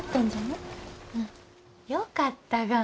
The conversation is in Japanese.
うん。よかったがん。